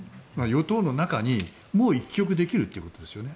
与党の中にもう１局できるということですよね。